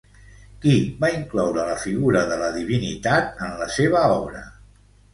Qui va incloure la figura de la divinitat en la seva obra?